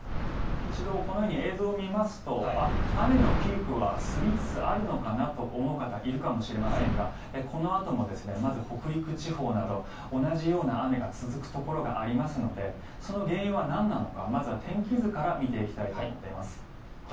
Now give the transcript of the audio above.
一度このように映像を見ますと雨のピークは過ぎつつあるのかなと思う方もいるかもしれませんがこのあともまず北陸地方など同じような雨が続くところがありますのでその原因はなんなのかまずは天気図から見ていきたいと思います。